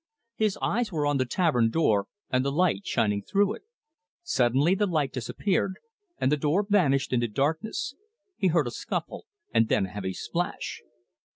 His eyes were on the tavern door and the light shining through it. Suddenly the light disappeared, and the door vanished into darkness. He heard a scuffle, and then a heavy splash.